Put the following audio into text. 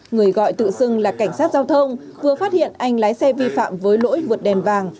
người gọi tự xưng là cảnh sát giao thông vừa phát hiện anh lái xe vi phạm với lỗi vượt đèn vàng